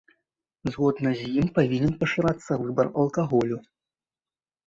Згодна з ім павінен пашырыцца выбар алкаголю.